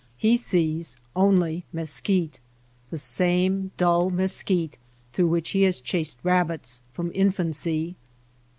He sees only mesquite — the same dull mesquite through which he has chased rabbits from infancy.